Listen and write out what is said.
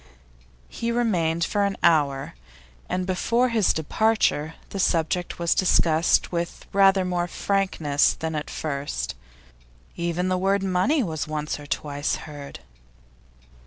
He remained for an hour, and before his departure the subject was discussed with rather more frankness than at first; even the word 'money' was once or twice heard.